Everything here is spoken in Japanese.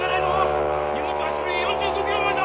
荷物は１人４５キロまでだ！